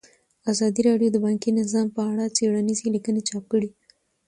ازادي راډیو د بانکي نظام په اړه څېړنیزې لیکنې چاپ کړي.